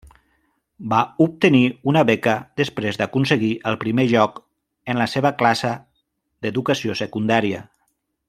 Va obtenir una beca després d'aconseguir el primer lloc en la seva classe d'educació secundària.